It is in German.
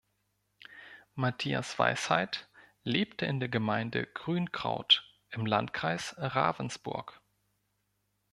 Matthias Weisheit lebte in der Gemeinde Grünkraut im Landkreis Ravensburg.